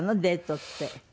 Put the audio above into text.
デートって。